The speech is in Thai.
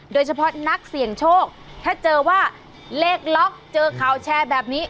โดยเฉพาะนักเสี่ยงโชคถ้าเจอว่าเลขล็อกเจอข่าวแชร์แบบนี้